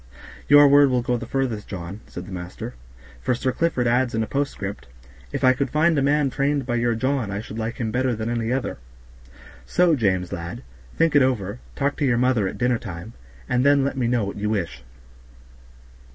"Your word will go the furthest, John," said the master, "for Sir Clifford adds in a postscript, 'If I could find a man trained by your John I should like him better than any other;' so, James, lad, think it over, talk to your mother at dinner time, and then let me know what you wish."